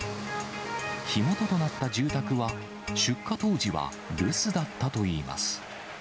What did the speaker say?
火元となった住宅は、出火当時は留守だったといいます。